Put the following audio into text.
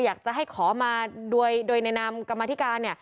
อยากจะให้ขอมาโดยในนามกรรมธิการ